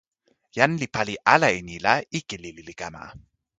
jan li pali ala e ni la ike lili li kama.